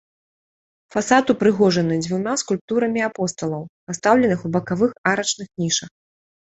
Фасад упрыгожаны дзвюма скульптурамі апосталаў, пастаўленых у бакавых арачных нішах.